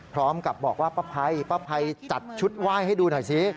พร้อมกับบอกว่าป้าภัยป้าภัยจัดชุดไหว้ให้ดูหน่อยสิ